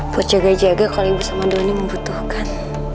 terus jaga jaga kalau ibu sama doni membutuhkan